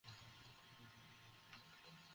ওগুলোর কী হয়েছে?